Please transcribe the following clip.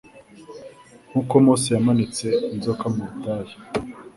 “Nkuko Mose yamanitse inzoka mu butayu,